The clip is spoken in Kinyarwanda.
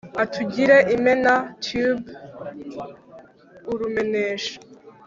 atugire imena tube urumenesha